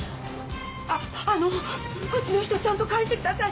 ああのうちの人ちゃんとかえしてください！